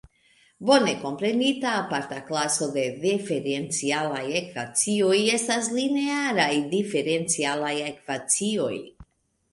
Bone komprenita aparta klaso de diferencialaj ekvacioj estas linearaj diferencialaj ekvacioj.